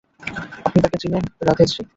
আপনি তাকে চিনেন, রাধে জি?